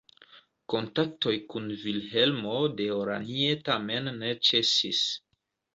Kontaktoj kun Vilhelmo de Oranje tamen ne ĉesis.